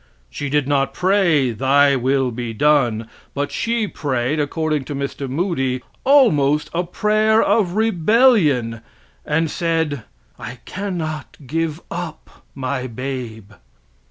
She did not pray "Thy will be done," but she prayed, according to Mr. Moody, almost a prayer of rebellion, and said: "I cannot give up my babe."